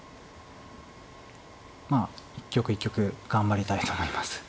まあ一局一局頑張りたいと思います。